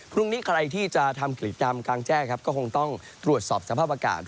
พรุ่งนี้ใครที่จะทำกิจกรรมกลางแจ้งครับก็คงต้องตรวจสอบสภาพอากาศ